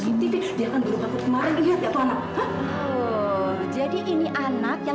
jadi ini anak yang dijual kepadanya